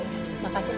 oh iya terima kasih pak